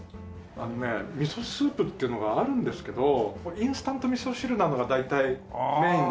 あのねミソスープっていうのがあるんですけどインスタントみそ汁なのが大体メインで。